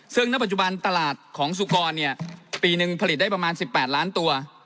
ซึ่งณปัจจุบันตลาดของสุกรปีหนึ่งผลิตได้ประมาณ๑๘ล้านตัว